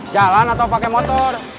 jalan atau pakai motor